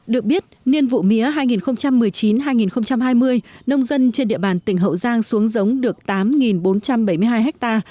được biết niên vụ mía hai nghìn một mươi chín hai nghìn hai mươi nông dân trên địa bàn tỉnh hậu giang xuống giống được tám bốn trăm bảy mươi hai ha